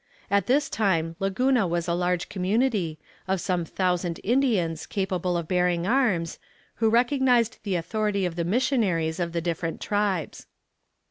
At this time Laguna was a large community, of some thousand Indians capable of bearing arms, who recognized the authority of the missionaries of the different tribes.